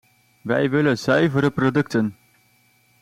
Wij willen zuivere producten!